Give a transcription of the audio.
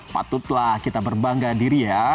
patutlah kita berbangga diri ya